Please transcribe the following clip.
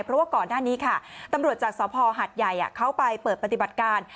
เพราะว่าก่อนหน้านี้ค่ะตำรวจจากสภหัดใหญ่เขาไปเปิดปฏิบัติการ